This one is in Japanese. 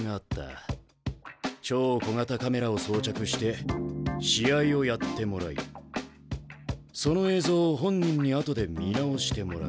超小型カメラを装着して試合をやってもらいその映像を本人に後で見直してもらう。